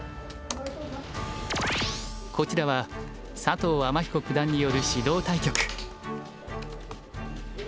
こちらは佐藤天彦九段による指導対局。